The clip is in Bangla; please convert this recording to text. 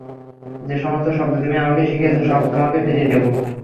যে সমস্ত শব্দ তুমি আমাকে শিখিয়েছ সব তোমাকে ফিরিয়ে দেবো।